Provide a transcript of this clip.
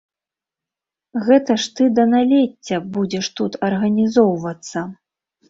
Гэта ж ты да налецця будзеш тут арганізоўвацца.